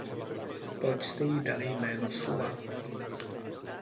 Proč jste jí dali jméno Sulla?